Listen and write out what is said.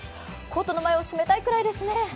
コートの前をしめたいぐらいですね。